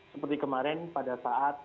seperti kemarin pada saat